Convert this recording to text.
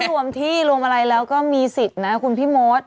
รวมที่รวมอะไรแล้วก็มีสิทธิ์นะคุณพี่มด